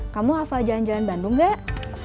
kamu hafal jalan jalan bandung gak